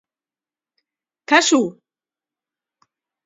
Kasu!